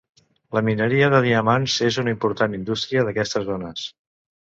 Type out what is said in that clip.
La mineria de diamants és una important indústria d'aquestes zones.